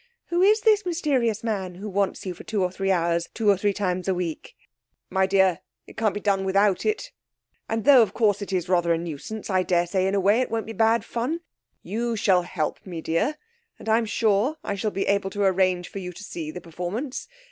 Who is this mysterious man who wants you for two or three hours two or three times a week?' 'My dear, it can't be done without it; and though, of course, it is rather a nuisance, I daresay in a way it won't be bad fun. You shall help me, dear, and I'm sure I shall be able to arrange for you to see the performance.